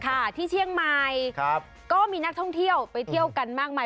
ค่ะที่เชียงใหม่ครับก็มีนักท่องเที่ยวไปเที่ยวกันมากมาย